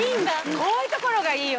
こういうところがいいよね。